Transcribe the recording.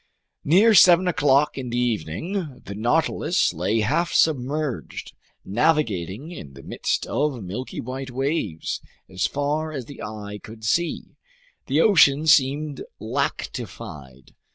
Near seven o'clock in the evening, the Nautilus lay half submerged, navigating in the midst of milky white waves. As far as the eye could see, the ocean seemed lactified.